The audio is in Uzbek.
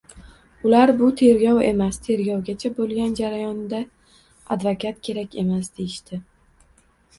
Ular: «Bu tergov emas, tergovgacha bo‘lgan jarayonda advokat kerak emas», deyishdi.